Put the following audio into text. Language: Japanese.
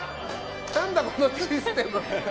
何だこのシステム。